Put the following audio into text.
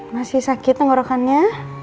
masih sakit ngorokannya